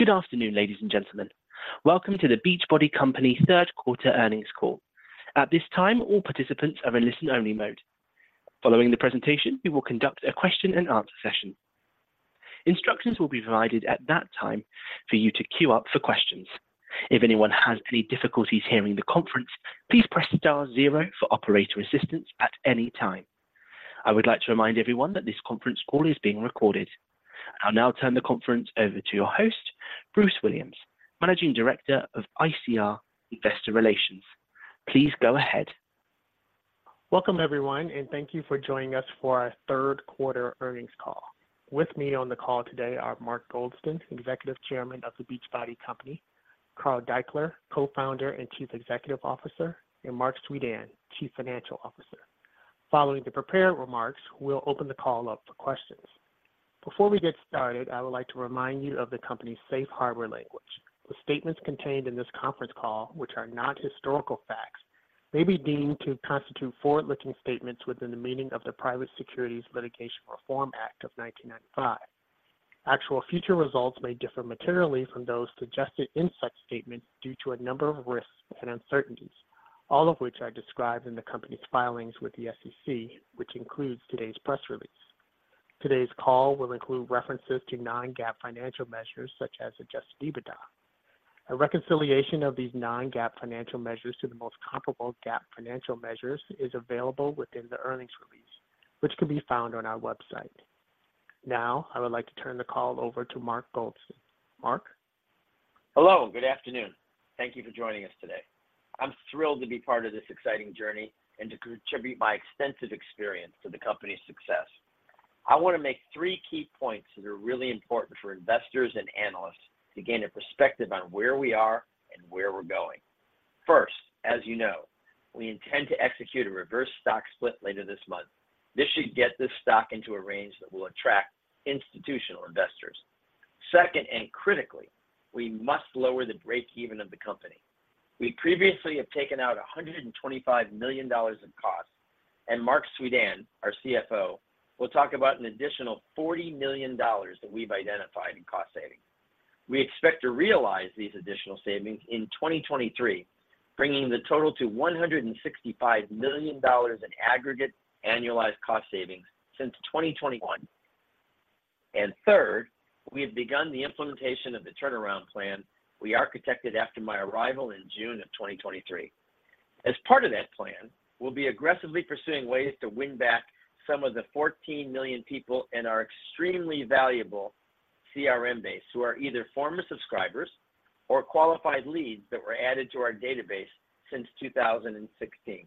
Good afternoon, ladies and gentlemen. Welcome to the Beachbody Company third quarter earnings call. At this time, all participants are in listen-only mode. Following the presentation, we will conduct a question and answer session. Instructions will be provided at that time for you to queue up for questions. If anyone has any difficulties hearing the conference, please press star zero for operator assistance at any time. I would like to remind everyone that this conference call is being recorded. I'll now turn the conference over to your host, Bruce Williams, Managing Director of ICR Investor Relations. Please go ahead. Welcome, everyone, and thank you for joining us for our third quarter earnings call. With me on the call today are Mark Goldston, Executive Chairman of the Beachbody Company, Carl Daikeler, Co-Founder and Chief Executive Officer, and Marc Suidan, Chief Financial Officer. Following the prepared remarks, we'll open the call up for questions. Before we get started, I would like to remind you of the company's safe harbor language. The statements contained in this conference call, which are not historical facts, may be deemed to constitute forward-looking statements within the meaning of the Private Securities Litigation Reform Act of 1995. Actual future results may differ materially from those suggested in such statements due to a number of risks and uncertainties, all of which are described in the company's filings with the SEC, which includes today's press release. Today's call will include references to non-GAAP financial measures such as Adjusted EBITDA. A reconciliation of these non-GAAP financial measures to the most comparable GAAP financial measures is available within the earnings release, which can be found on our website. Now, I would like to turn the call over to Mark Goldston. Mark? Hello, good afternoon. Thank you for joining us today. I'm thrilled to be part of this exciting journey and to contribute my extensive experience to the company's success. I want to make three key points that are really important for investors and analysts to gain a perspective on where we are and where we're going. First, as you know, we intend to execute a reverse stock split later this month. This should get this stock into a range that will attract institutional investors. Second, and critically, we must lower the breakeven of the company. We previously have taken out $125 million in costs, and Marc Suidan, our CFO, will talk about an additional $40 million that we've identified in cost savings. We expect to realize these additional savings in 2023, bringing the total to $165 million in aggregate annualized cost savings since 2021. Third, we have begun the implementation of the turnaround plan we architected after my arrival in June 2023. As part of that plan, we'll be aggressively pursuing ways to win back some of the 14 million people in our extremely valuable CRM base, who are either former subscribers or qualified leads that were added to our database since 2016.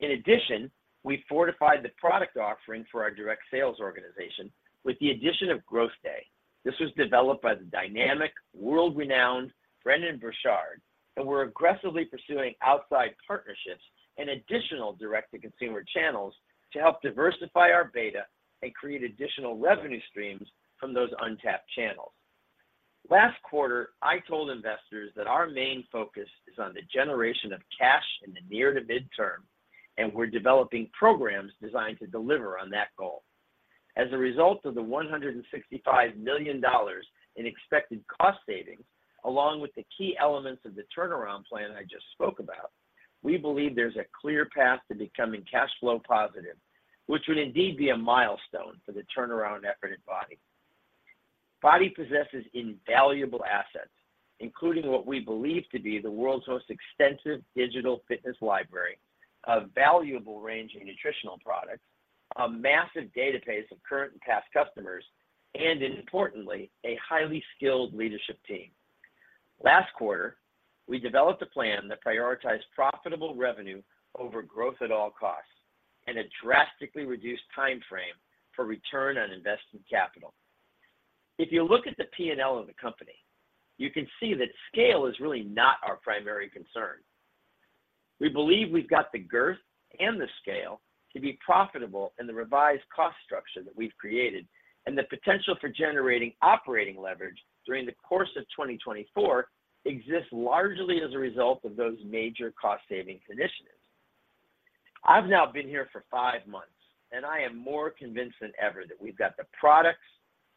In addition, we fortified the product offering for our direct sales organization with the addition of GrowthDay. This was developed by the dynamic, world-renowned Brendon Burchard, and we're aggressively pursuing outside partnerships and additional direct-to-consumer channels to help diversify our BODi and create additional revenue streams from those untapped channels. Last quarter, I told investors that our main focus is on the generation of cash in the near to midterm, and we're developing programs designed to deliver on that goal. As a result of the $165 million in expected cost savings, along with the key elements of the turnaround plan I just spoke about, we believe there's a clear path to becoming cash flow positive, which would indeed be a milestone for the turnaround effort at BODi. BODi possesses invaluable assets, including what we believe to be the world's most extensive digital fitness library, a valuable range of nutritional products, a massive database of current and past customers, and importantly, a highly skilled leadership team. Last quarter, we developed a plan that prioritized profitable revenue over growth at all costs and a drastically reduced timeframe for return on investment capital. If you look at the P&L of the company, you can see that scale is really not our primary concern. We believe we've got the girth and the scale to be profitable in the revised cost structure that we've created, and the potential for generating operating leverage during the course of 2024 exists largely as a result of those major cost-saving initiatives. I've now been here for 5 months, and I am more convinced than ever that we've got the products,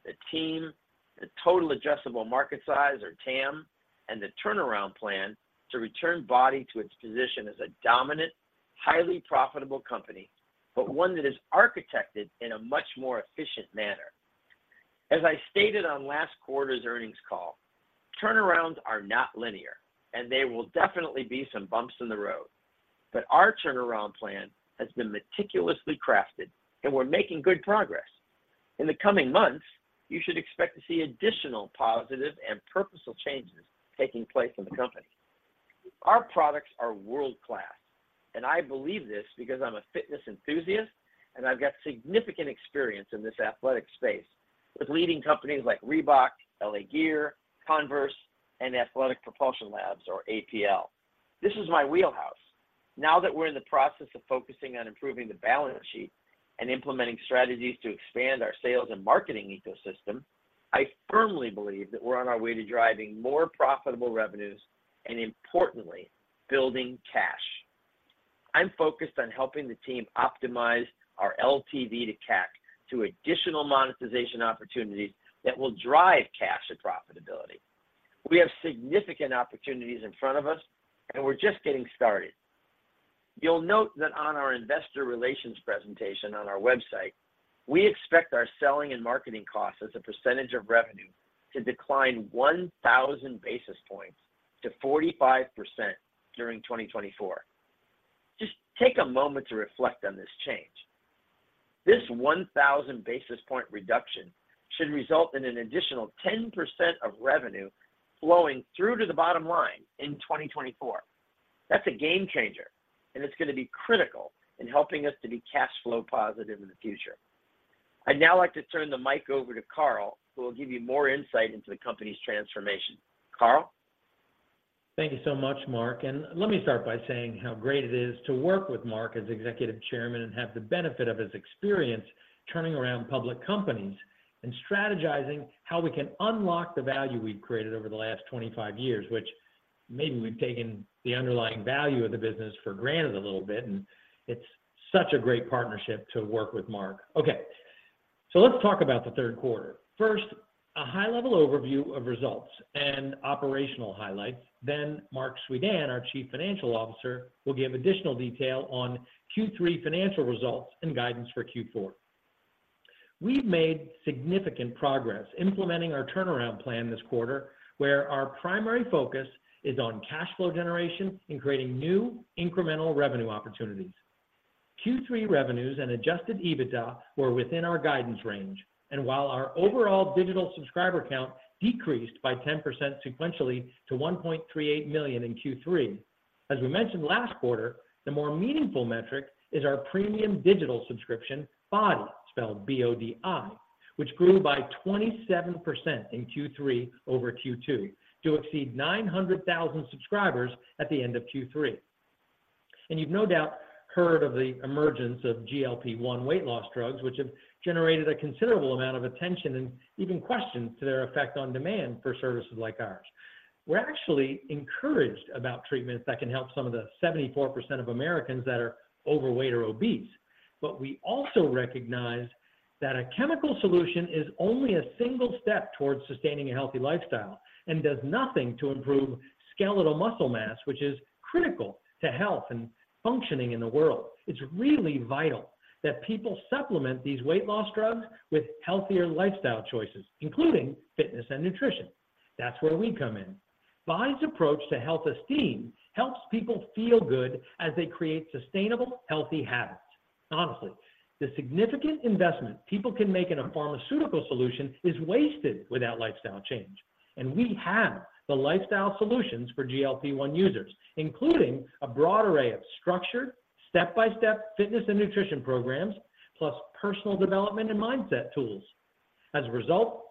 the team, the total addressable market size or TAM, and the turnaround plan to return BODi to its position as a dominant, highly profitable company, but one that is architected in a much more efficient manner. As I stated on last quarter's earnings call, turnarounds are not linear, and there will definitely be some bumps in the road, but our turnaround plan has been meticulously crafted, and we're making good progress. In the coming months, you should expect to see additional positive and purposeful changes taking place in the company. Our products are world-class, and I believe this because I'm a fitness enthusiast and I've got significant experience in this athletic space with leading companies like Reebok, L.A. Gear, Converse, and Athletic Propulsion Labs or APL. This is my wheelhouse. Now that we're in the process of focusing on improving the balance sheet and implementing strategies to expand our sales and marketing ecosystem, I firmly believe that we're on our way to driving more profitable revenues and importantly, building cash.... I'm focused on helping the team optimize our LTV to CAC through additional monetization opportunities that will drive cash and profitability. We have significant opportunities in front of us, and we're just getting started. You'll note that on our investor relations presentation on our website, we expect our selling and marketing costs as a percentage of revenue to decline 1,000 basis points to 45% during 2024. Just take a moment to reflect on this change. This 1,000 basis point reduction should result in an additional 10% of revenue flowing through to the bottom line in 2024. That's a game changer, and it's gonna be critical in helping us to be cash flow positive in the future. I'd now like to turn the mic over to Carl, who will give you more insight into the company's transformation. Carl? Thank you so much, Mark, and let me start by saying how great it is to work with Mark as Executive Chairman and have the benefit of his experience turning around public companies and strategizing how we can unlock the value we've created over the last 25 years, which maybe we've taken the underlying value of the business for granted a little bit, and it's such a great partnership to work with Mark. Okay, so let's talk about the third quarter. First, a high-level overview of results and operational highlights. Then Marc Suidan, our Chief Financial Officer, will give additional detail on Q3 financial results and guidance for Q4. We've made significant progress implementing our turnaround plan this quarter, where our primary focus is on cash flow generation and creating new incremental revenue opportunities. Q3 revenues and Adjusted EBITDA were within our guidance range, and while our overall digital subscriber count decreased by 10% sequentially to 1.38 million in Q3, as we mentioned last quarter, the more meaningful metric is our premium digital subscription, BODi, spelled B-O-D-I, which grew by 27% in Q3 over Q2, to exceed 900,000 subscribers at the end of Q3. You've no doubt heard of the emergence of GLP-1 weight loss drugs, which have generated a considerable amount of attention and even questions to their effect on demand for services like ours. We're actually encouraged about treatments that can help some of the 74% of Americans that are overweight or obese. But we also recognize that a chemical solution is only a single step towards sustaining a healthy lifestyle and does nothing to improve skeletal muscle mass, which is critical to health and functioning in the world. It's really vital that people supplement these weight loss drugs with healthier lifestyle choices, including fitness and nutrition. That's where we come in. BODi's approach to Health Esteem helps people feel good as they create sustainable, healthy habits. Honestly, the significant investment people can make in a pharmaceutical solution is wasted without lifestyle change, and we have the lifestyle solutions for GLP-1 users, including a broad array of structured, step-by-step fitness and nutrition programs, plus personal development and mindset tools. As a result,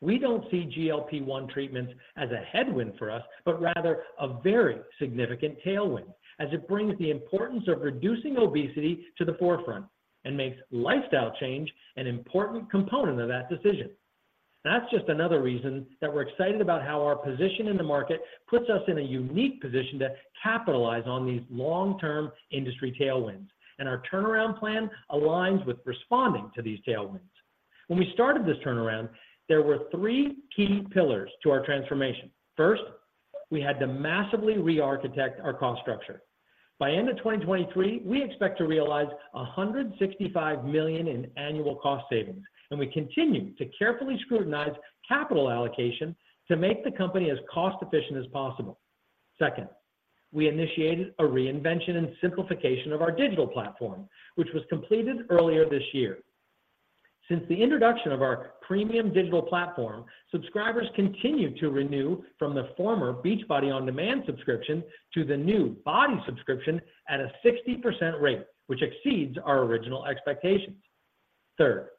we don't see GLP-1 treatments as a headwind for us, but rather a very significant tailwind, as it brings the importance of reducing obesity to the forefront and makes lifestyle change an important component of that decision. That's just another reason that we're excited about how our position in the market puts us in a unique position to capitalize on these long-term industry tailwinds, and our turnaround plan aligns with responding to these tailwinds. When we started this turnaround, there were three key pillars to our transformation. First, we had to massively rearchitect our cost structure. By end of 2023, we expect to realize $165 million in annual cost savings, and we continue to carefully scrutinize capital allocation to make the company as cost-efficient as possible. Second, we initiated a reinvention and simplification of our digital platform, which was completed earlier this year. Since the introduction of our premium digital platform, subscribers continued to renew from the former Beachbody On Demand subscription to the new BODi subscription at a 60% rate, which exceeds our original expectations. Third,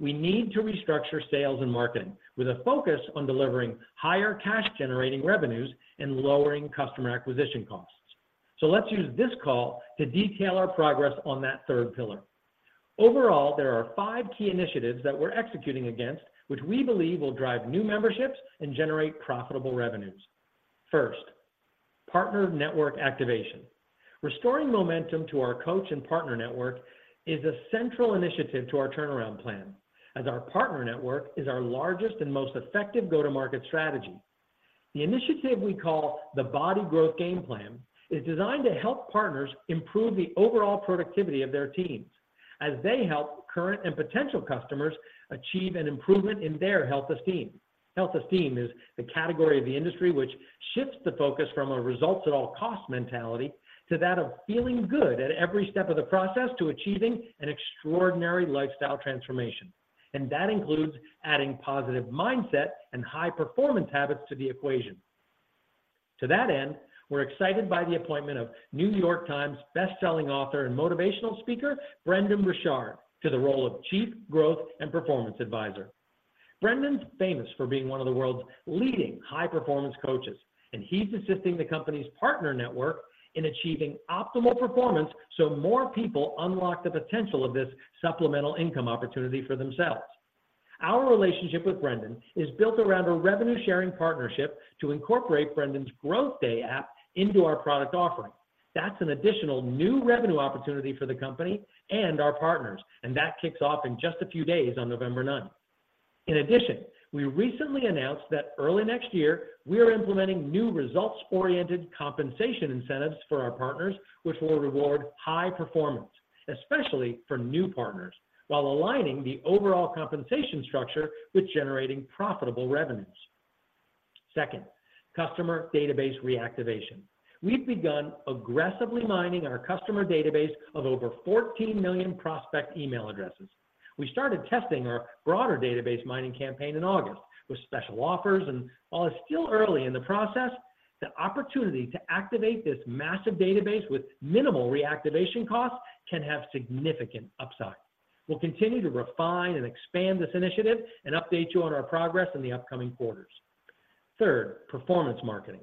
we need to restructure sales and marketing with a focus on delivering higher cash-generating revenues and lowering customer acquisition costs. So let's use this call to detail our progress on that third pillar. Overall, there are five key initiatives that we're executing against, which we believe will drive new memberships and generate profitable revenues. First, partner network activation. Restoring momentum to our coach and partner network is a central initiative to our turnaround plan, as our partner network is our largest and most effective go-to-market strategy. The initiative we call the BODi Growth Game Plan is designed to help partners improve the overall productivity of their teams as they help current and potential customers achieve an improvement in their Health Esteem. Health Esteem is the category of the industry which shifts the focus from a results at all costs mentality to that of feeling good at every step of the process to achieving an extraordinary lifestyle transformation, and that includes adding positive mindset and high-performance habits to the equation. To that end, we're excited by the appointment of New York Times bestselling author and motivational speaker, Brendon Burchard, to the role of Chief Growth and Performance Advisor. Brendon's famous for being one of the world's leading high-performance coaches, and he's assisting the company's partner network in achieving optimal performance so more people unlock the potential of this supplemental income opportunity for themselves.... Our relationship with Brendon is built around a revenue sharing partnership to incorporate Brendon's GrowthDay app into our product offering. That's an additional new revenue opportunity for the company and our partners, and that kicks off in just a few days on November ninth. In addition, we recently announced that early next year, we are implementing new results-oriented compensation incentives for our partners, which will reward high performance, especially for new partners, while aligning the overall compensation structure with generating profitable revenues. Second, customer database reactivation. We've begun aggressively mining our customer database of over 14 million prospect email addresses. We started testing our broader database mining campaign in August with special offers, and while it's still early in the process, the opportunity to activate this massive database with minimal reactivation costs can have significant upside. We'll continue to refine and expand this initiative and update you on our progress in the upcoming quarters. Third, performance marketing.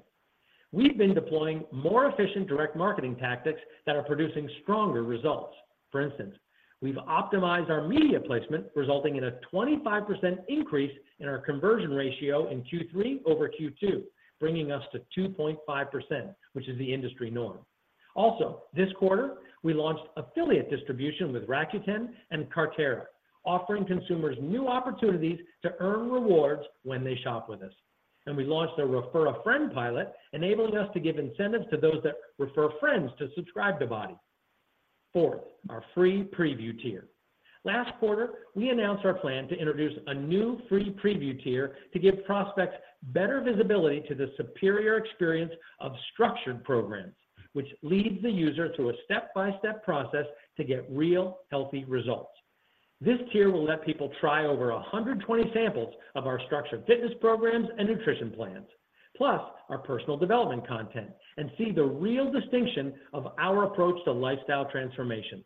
We've been deploying more efficient direct marketing tactics that are producing stronger results. For instance, we've optimized our media placement, resulting in a 25% increase in our conversion ratio in Q3 over Q2, bringing us to 2.5%, which is the industry norm. Also, this quarter, we launched affiliate distribution with Rakuten and Cartera, offering consumers new opportunities to earn rewards when they shop with us. And we launched a Refer a Friend pilot, enabling us to give incentives to those that refer friends to subscribe to BODi. Fourth, our free preview tier. Last quarter, we announced our plan to introduce a new free preview tier to give prospects better visibility to the superior experience of structured programs, which leads the user through a step-by-step process to get real, healthy results. This tier will let people try over 120 samples of our structured fitness programs and nutrition plans, plus our personal development content, and see the real distinction of our approach to lifestyle transformation.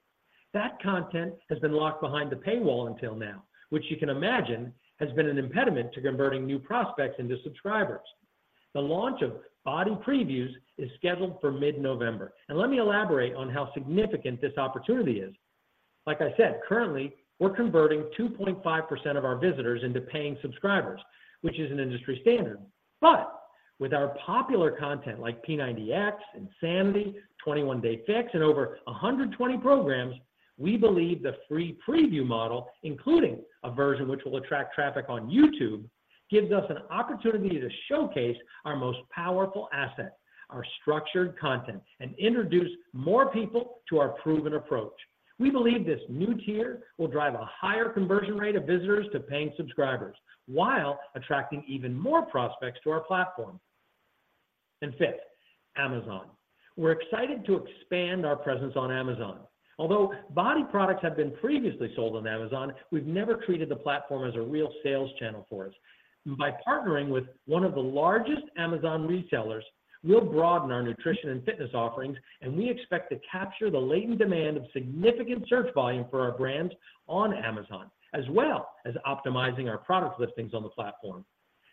That content has been locked behind the paywall until now, which you can imagine, has been an impediment to converting new prospects into subscribers. The launch of BODi Previews is scheduled for mid-November, and let me elaborate on how significant this opportunity is. Like I said, currently, we're converting 2.5% of our visitors into paying subscribers, which is an industry standard. With our popular content like P90X, Insanity, 21 Day Fix, and over 120 programs, we believe the free preview model, including a version which will attract traffic on YouTube, gives us an opportunity to showcase our most powerful asset, our structured content, and introduce more people to our proven approach. We believe this new tier will drive a higher conversion rate of visitors to paying subscribers while attracting even more prospects to our platform. Fifth, Amazon. We're excited to expand our presence on Amazon. Although BODi products have been previously sold on Amazon, we've never treated the platform as a real sales channel for us. By partnering with one of the largest Amazon resellers, we'll broaden our nutrition and fitness offerings, and we expect to capture the latent demand of significant search volume for our brands on Amazon, as well as optimizing our product listings on the platform.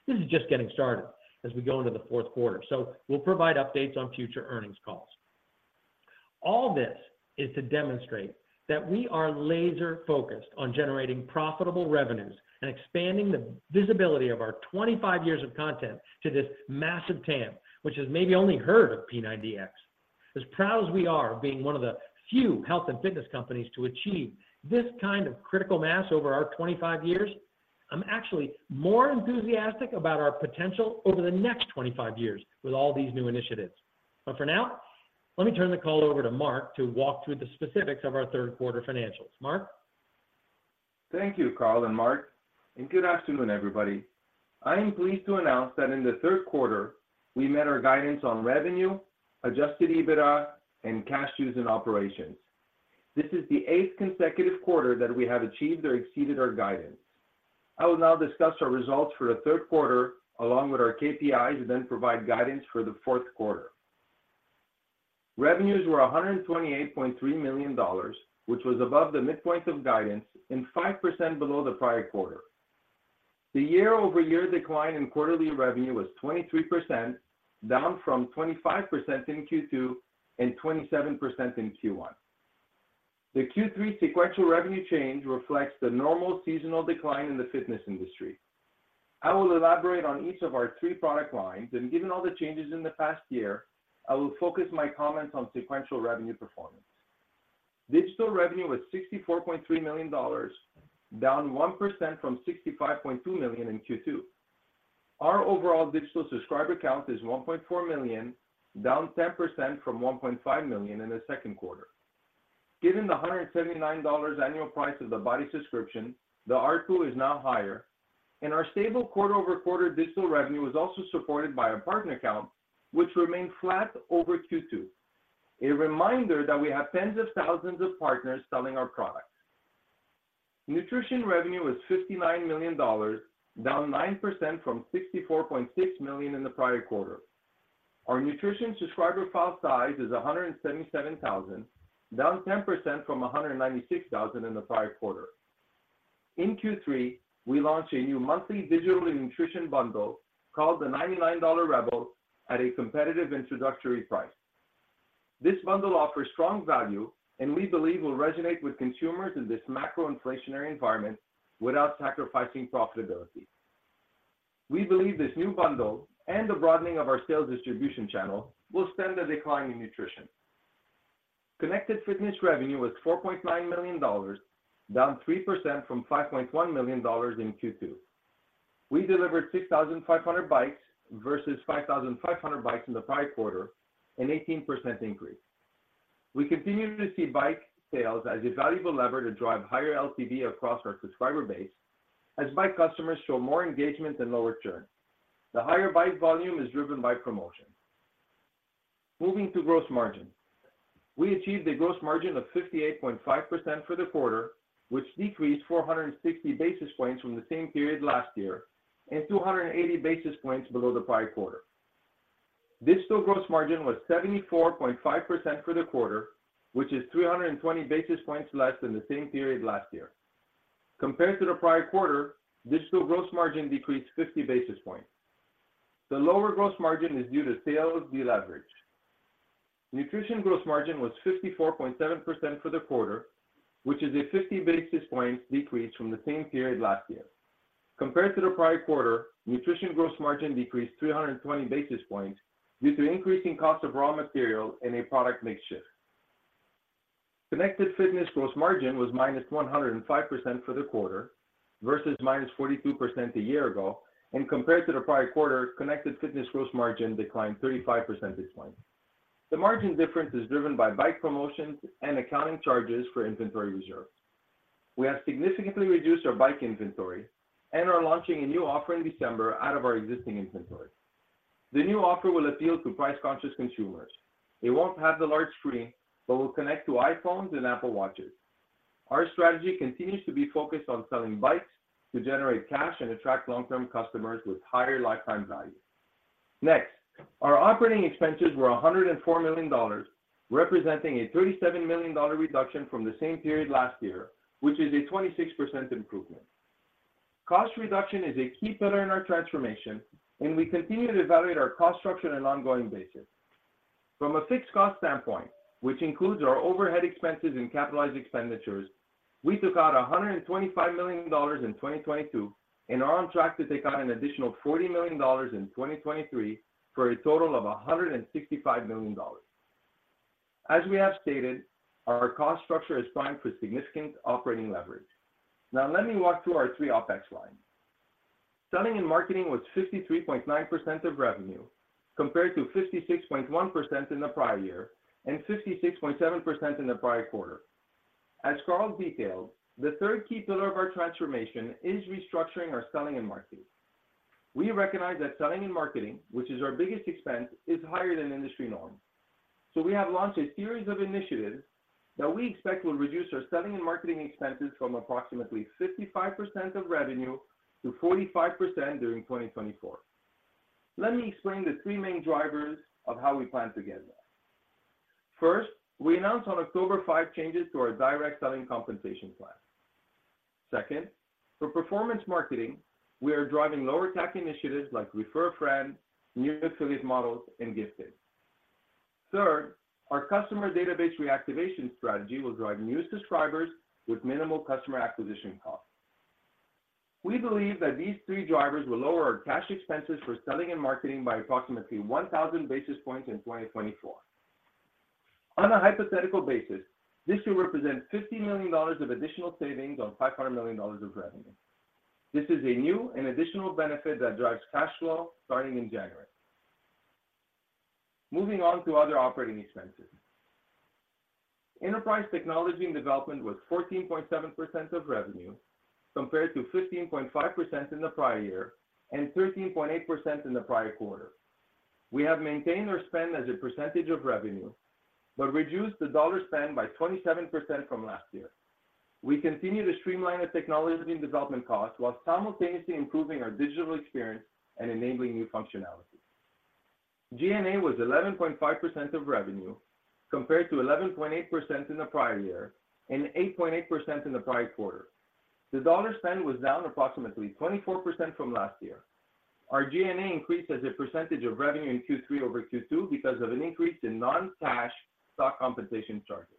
This is just getting started as we go into the fourth quarter, so we'll provide updates on future earnings calls. All this is to demonstrate that we are laser-focused on generating profitable revenues and expanding the visibility of our 25 years of content to this massive TAM, which has maybe only heard of P90X. As proud as we are of being one of the few health and fitness companies to achieve this kind of critical mass over our 25 years, I'm actually more enthusiastic about our potential over the next 25 years with all these new initiatives. For now, let me turn the call over to Mark to walk through the specifics of our third quarter financials. Mark? Thank you, Carl and Mark, and good afternoon, everybody. I am pleased to announce that in the third quarter, we met our guidance on revenue, Adjusted EBITDA, and cash use and operations. This is the eighth consecutive quarter that we have achieved or exceeded our guidance. I will now discuss our results for the third quarter, along with our KPIs, and then provide guidance for the fourth quarter. Revenues were $128.3 million, which was above the midpoint of guidance and 5% below the prior quarter. The year-over-year decline in quarterly revenue was 23%, down from 25% in Q2 and 27% in Q1. The Q3 sequential revenue change reflects the normal seasonal decline in the fitness industry. I will elaborate on each of our three product lines, and given all the changes in the past year, I will focus my comments on sequential revenue performance. Digital revenue was $64.3 million, down 1% from $65.2 million in Q2. Our overall digital subscriber count is 1.4 million, down 10% from 1.5 million in the second quarter. Given the $179 annual price of the BODi subscription, the ARPU is now higher, and our stable quarter-over-quarter digital revenue was also supported by our partner count, which remained flat over Q2. A reminder that we have tens of thousands of partners selling our products. Nutrition revenue was $59 million, down 9% from $64.6 million in the prior quarter. Our nutrition subscriber file size is 177,000, down 10% from 196,000 in the prior quarter. In Q3, we launched a new monthly digital nutrition bundle called the $99 Rebill at a competitive introductory price. This bundle offers strong value and we believe will resonate with consumers in this macro inflationary environment without sacrificing profitability. We believe this new bundle and the broadening of our sales distribution channel will stem the decline in nutrition. Connected Fitness revenue was $4.9 million, down 3% from $5.1 million in Q2. We delivered 6,500 bikes versus 5,500 bikes in the prior quarter, an 18% increase. We continue to see bike sales as a valuable lever to drive higher LTV across our subscriber base, as bike customers show more engagement and lower churn. The higher bike volume is driven by promotion. Moving to gross margin. We achieved a gross margin of 58.5% for the quarter, which decreased 460 basis points from the same period last year and 280 basis points below the prior quarter. Digital gross margin was 74.5% for the quarter, which is 320 basis points less than the same period last year. Compared to the prior quarter, digital gross margin decreased 50 basis points. The lower gross margin is due to sales deleverage. Nutrition gross margin was 54.7% for the quarter, which is a 50 basis points decrease from the same period last year. Compared to the prior quarter, nutrition gross margin decreased 320 basis points due to increasing cost of raw materials and a product mix shift. Connected Fitness gross margin was -105% for the quarter versus -42% a year ago, and compared to the prior quarter, Connected Fitness gross margin declined 35 percentage points. The margin difference is driven by bike promotions and accounting charges for inventory reserves. We have significantly reduced our bike inventory and are launching a new offer in December out of our existing inventory. The new offer will appeal to price-conscious consumers. It won't have the large screen, but will connect to iPhones and Apple Watches. Our strategy continues to be focused on selling bikes to generate cash and attract long-term customers with higher lifetime value. Next, our operating expenses were $104 million, representing a $37 million reduction from the same period last year, which is a 26% improvement. Cost reduction is a key pillar in our transformation, and we continue to evaluate our cost structure on an ongoing basis. From a fixed cost standpoint, which includes our overhead expenses and capitalized expenditures, we took out $125 million in 2022 and are on track to take out an additional $40 million in 2023, for a total of $165 million. As we have stated, our cost structure is primed for significant operating leverage. Now, let me walk through our three OpEx lines. Selling and marketing was 53.9% of revenue, compared to 56.1% in the prior year and 56.7% in the prior quarter. As Carl detailed, the third key pillar of our transformation is restructuring our selling and marketing. We recognize that selling and marketing, which is our biggest expense, is higher than industry norm. So we have launched a series of initiatives that we expect will reduce our selling and marketing expenses from approximately 55%-45% of revenue during 2024. Let me explain the three main drivers of how we plan to get there. First, we announced on October 5 changes to our direct selling compensation plan. Second, for performance marketing, we are driving lower-touch initiatives like Refer a Friend, new affiliate models, and gifting. Third, our customer database reactivation strategy will drive new subscribers with minimal customer acquisition costs. We believe that these three drivers will lower our cash expenses for selling and marketing by approximately 1,000 basis points in 2024. On a hypothetical basis, this will represent $50 million of additional savings on $500 million of revenue. This is a new and additional benefit that drives cash flow starting in January. Moving on to other operating expenses. Enterprise technology and development was 14.7% of revenue, compared to 15.5% in the prior year and 13.8% in the prior quarter. We have maintained our spend as a percentage of revenue, but reduced the dollar spend by 27% from last year. We continue to streamline the technology and development costs while simultaneously improving our digital experience and enabling new functionalities. G&A was 11.5% of revenue, compared to 11.8% in the prior year and 8.8% in the prior quarter. The dollar spend was down approximately 24% from last year. Our G&A increased as a percentage of revenue in Q3 over Q2 because of an increase in non-cash stock compensation charges.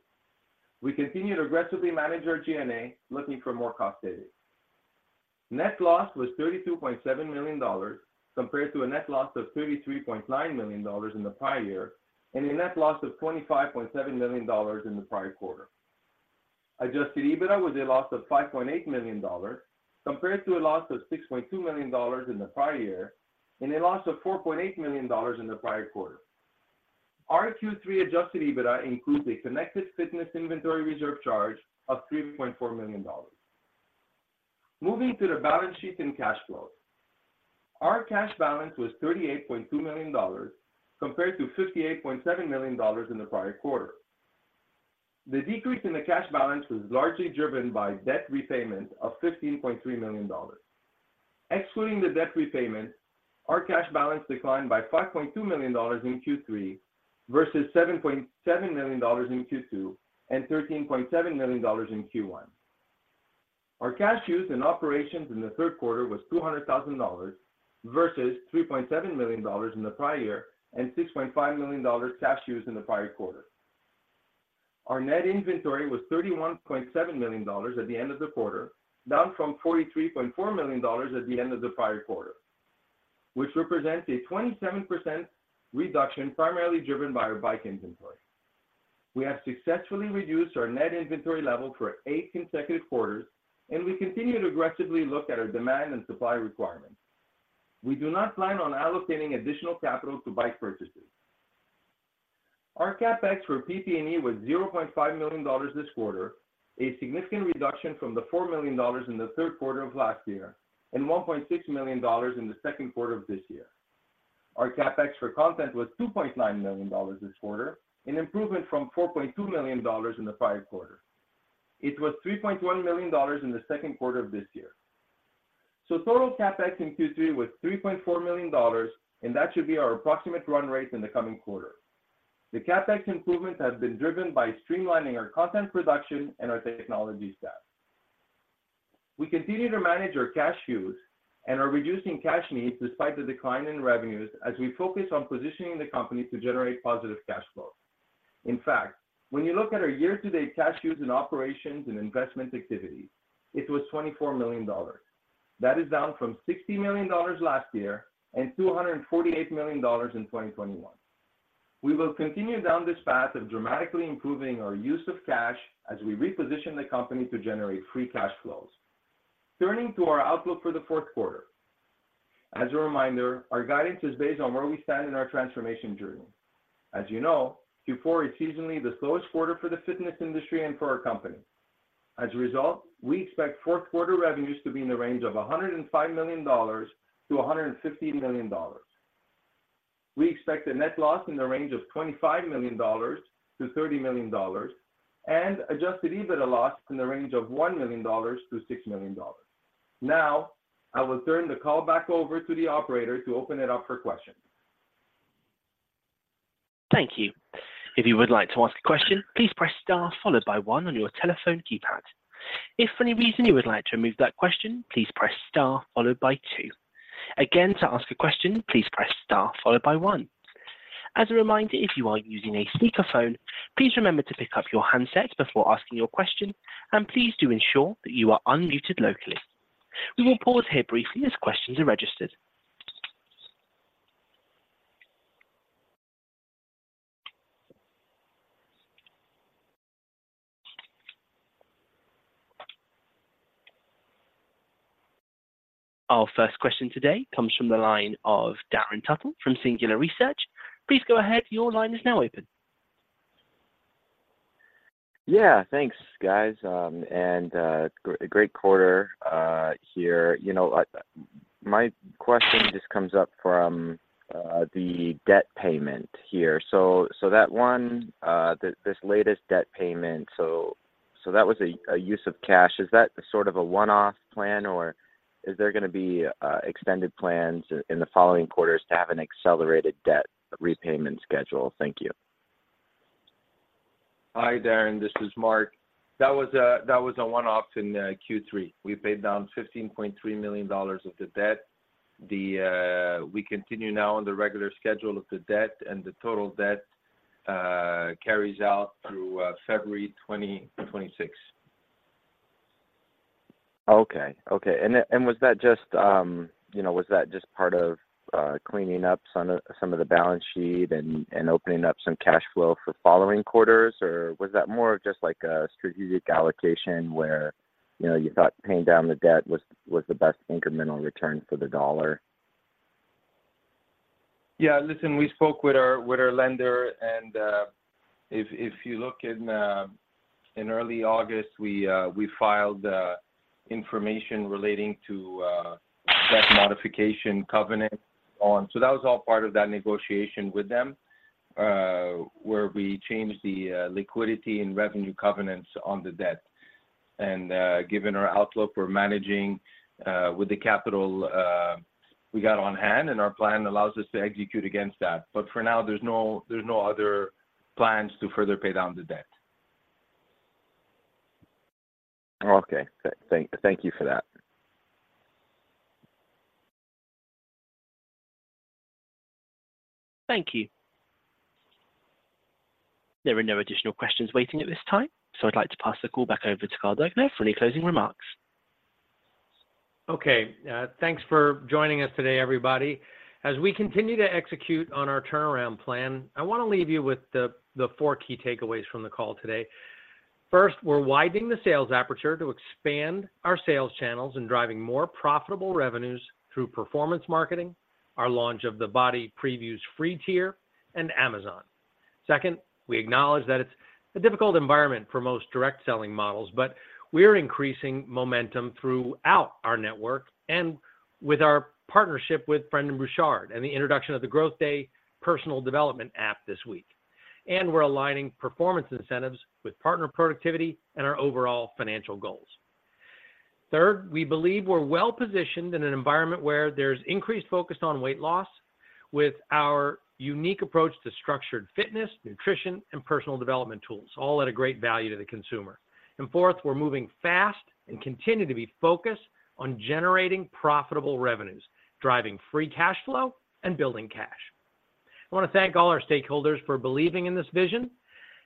We continue to aggressively manage our G&A, looking for more cost savings. Net loss was $32.7 million, compared to a net loss of $33.9 million in the prior year and a net loss of $25.7 million in the prior quarter. Adjusted EBITDA was a loss of $5.8 million, compared to a loss of $6.2 million in the prior year and a loss of $4.8 million in the prior quarter. Our Q3 Adjusted EBITDA includes a Connected Fitness inventory reserve charge of $3.4 million. Moving to the balance sheet and cash flow. Our cash balance was $38.2 million, compared to $58.7 million in the prior quarter. The decrease in the cash balance was largely driven by debt repayment of $15.3 million. Excluding the debt repayment, our cash balance declined by $5.2 million in Q3 versus $7.7 million in Q2 and $13.7 million in Q1.... Our cash use in operations in the third quarter was $200,000, versus $3.7 million in the prior year and $6.5 million cash use in the prior quarter. Our net inventory was $31.7 million at the end of the quarter, down from $43.4 million at the end of the prior quarter, which represents a 27% reduction, primarily driven by our bike inventory. We have successfully reduced our net inventory level for 8 consecutive quarters, and we continue to aggressively look at our demand and supply requirements. We do not plan on allocating additional capital to bike purchases. Our CapEx for PP&E was $0.5 million this quarter, a significant reduction from the $4 million in the third quarter of last year, and $1.6 million in the second quarter of this year. Our CapEx for content was $2.9 million this quarter, an improvement from $4.2 million in the prior quarter. It was $3.1 million in the second quarter of this year. So total CapEx in Q3 was $3.4 million, and that should be our approximate run rate in the coming quarter. The CapEx improvements have been driven by streamlining our content production and our technology staff. We continue to manage our cash use and are reducing cash needs despite the decline in revenues as we focus on positioning the company to generate positive cash flow. In fact, when you look at our year-to-date cash use in operations and investment activities, it was $24 million. That is down from $60 million last year and $248 million in 2021. We will continue down this path of dramatically improving our use of cash as we reposition the company to generate free cash flows. Turning to our outlook for the fourth quarter. As a reminder, our guidance is based on where we stand in our transformation journey. As you know, Q4 is seasonally the slowest quarter for the fitness industry and for our company. As a result, we expect fourth quarter revenues to be in the range of $105 million-$150 million. We expect a net loss in the range of $25 million-$30 million and Adjusted EBITDA loss in the range of $1 million-$6 million. Now, I will turn the call back over to the operator to open it up for questions. Thank you. If you would like to ask a question, please press Star followed by one on your telephone keypad. If for any reason you would like to remove that question, please press Star followed by two. Again, to ask a question, please press Star followed by one. As a reminder, if you are using a speakerphone, please remember to pick up your handset before asking your question, and please do ensure that you are unmuted locally. We will pause here briefly as questions are registered. Our first question today comes from the line of Darren Tuttle from Singular Research. Please go ahead. Your line is now open. Yeah, thanks, guys, and a great quarter here. You know, my question just comes up from the debt payment here. So that one, this latest debt payment, so that was a use of cash. Is that sort of a one-off plan, or is there gonna be extended plans in the following quarters to have an accelerated debt repayment schedule? Thank you. Hi, Darren, this is Mark. That was a, that was a one-off in Q3. We paid down $15.3 million of the debt. The, we continue now on the regular schedule of the debt, and the total debt carries out through February 2026. Okay, okay. And was that just, you know, was that just part of cleaning up some of some of the balance sheet and opening up some cash flow for following quarters, or was that more of just like a strategic allocation where, you know, you thought paying down the debt was the best incremental return for the dollar? Yeah, listen, we spoke with our lender, and if you look in early August, we filed information relating to debt modification covenant on. So that was all part of that negotiation with them, where we changed the liquidity and revenue covenants on the debt. And given our outlook for managing with the capital we got on hand, and our plan allows us to execute against that. But for now, there's no other plans to further pay down the debt. Okay. Thank you for that. Thank you. There are no additional questions waiting at this time, so I'd like to pass the call back over to Carl Daikeler for any closing remarks. Okay, thanks for joining us today, everybody. As we continue to execute on our turnaround plan, I want to leave you with the four key takeaways from the call today. First, we're widening the sales aperture to expand our sales channels and driving more profitable revenues through performance marketing, our launch of the BODi Previews free tier, and Amazon. Second, we acknowledge that it's a difficult environment for most direct selling models, but we're increasing momentum throughout our network and with our partnership with Brendon Burchard and the introduction of the GrowthDay personal development app this week. And we're aligning performance incentives with partner productivity and our overall financial goals. Third, we believe we're well-positioned in an environment where there's increased focus on weight loss with our unique approach to structured fitness, nutrition, and personal development tools, all at a great value to the consumer. And fourth, we're moving fast and continue to be focused on generating profitable revenues, driving free cash flow, and building cash. I want to thank all our stakeholders for believing in this vision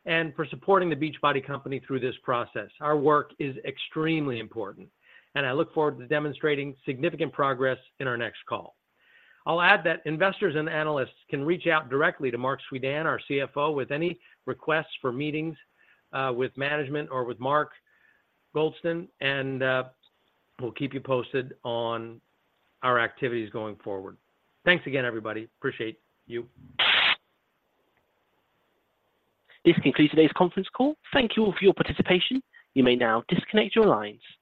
and for supporting the Beachbody Company through this process. Our work is extremely important, and I look forward to demonstrating significant progress in our next call. I'll add that investors and analysts can reach out directly to Marc Suidan, our CFO, with any requests for meetings with management or with Mark Goldston, and we'll keep you posted on our activities going forward. Thanks again, everybody. Appreciate you. This concludes today's conference call. Thank you all for your participation. You may now disconnect your lines.